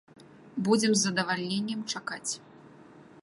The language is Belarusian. Будзем з задавальненнем чакаць.